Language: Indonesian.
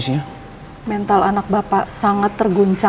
sepertinya nyara lu ada wal exercise udah